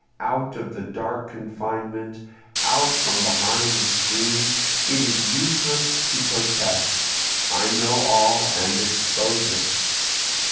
Out of the dark confinement! out from behind the screen! It is useless to protest, I know all and expose it.